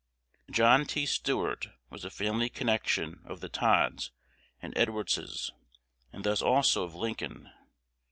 '" John T. Stuart was a family connection of the Todds and Edwardses, and thus also of Lincoln.